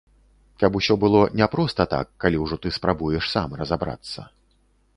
Каб усё было не проста так, калі ўжо ты спрабуеш сам разабрацца.